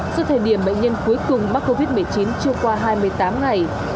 do thời điểm bệnh nhân cuối cùng mắc covid một mươi chín chưa qua hai mươi tám ngày